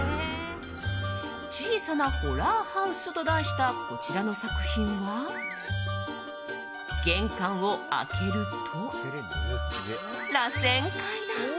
「小さなホラーハウス」と題したこちらの作品は玄関を開けると、らせん階段。